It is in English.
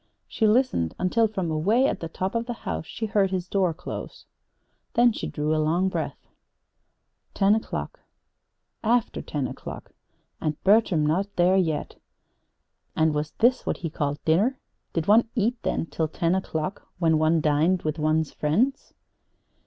She listened until from away at the top of the house she heard his door close. Then she drew a long breath. Ten o'clock after ten o'clock, and Bertram not there yet! And was this what he called dinner? Did one eat, then, till ten o'clock, when one dined with one's friends?